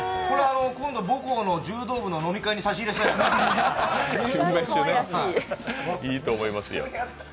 これ、今度、母校の柔道部の飲み会に差し入れします。